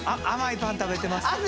甘いパン食べてます。